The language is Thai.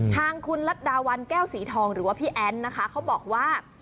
ทางคุณรัฐดาวันแก้วสีทองหรือว่าพี่แอ้นนะคะเขาบอกว่า